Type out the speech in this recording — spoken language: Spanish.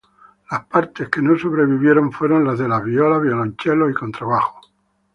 Las partes que no sobrevivieron fueron las de las violas, violonchelos y contrabajos.